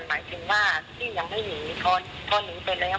หมายถึงว่าพี่ยังไม่หนีพอหนีไปแล้ว